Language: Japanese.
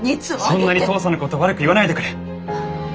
そんなに父さんのことを悪く言わないでくれ。